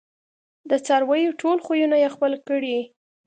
د څارویو ټول خویونه یې خپل کړي